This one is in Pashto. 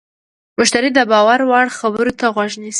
مشتری د باور وړ خبرو ته غوږ نیسي.